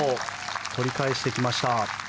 取り返してきました。